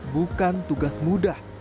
bukan tugas mudah